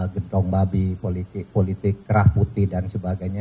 gentong babi politik kerah putih dan sebagainya